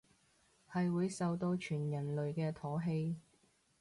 係會受到全人類嘅唾棄